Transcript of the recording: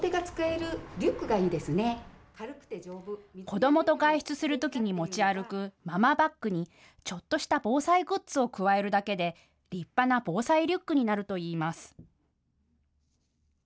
子どもと外出するときに持ち歩くママバッグにちょっとした防災グッズを加えるだけで立派な防災リュックになるといいます。